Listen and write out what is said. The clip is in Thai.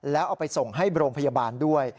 แล้วเอาไปส่งให้โรงพยาบาลด้วย